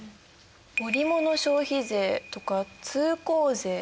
織物消費税とか通行税。